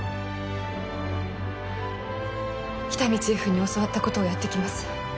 喜多見チーフに教わったことをやってきます